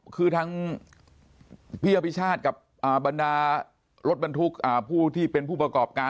คือทางพี่อภิชาติกับบรรดารถบรรทุกผู้ที่เป็นผู้ประกอบการ